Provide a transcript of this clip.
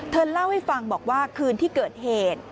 เธอเล่าให้ฟังบอกว่าคืนที่เกิดเหตุ